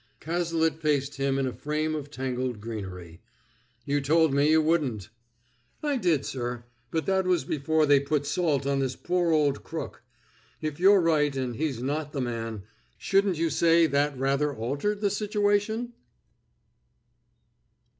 Cazalet faced him in a frame of tangled greenery. "You told me you wouldn't!" "I did, sir, but that was before they put salt on this poor old crook. If you're right, and he's not the man, shouldn't you say that rather altered the situation?"